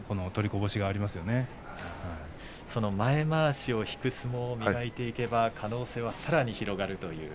この前まわしを引く相撲を磨いていけば可能性は、さらに広がるという。